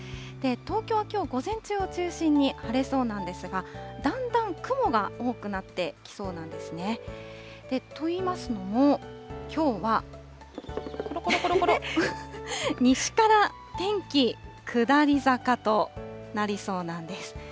東京はきょう午前中を中心に晴れそうなんですが、だんだん雲が多くなってきそうなんですね。といいますのも、きょうは、ころころころころ、西から天気、下り坂となりそうなんです。